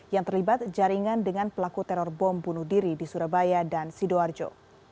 yang terlibat jaringan dengan pelaku teror bom bunuh diri di surabaya dan sidoarjo